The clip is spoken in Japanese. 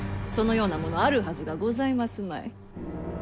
そのようなものあるはずがございますまい。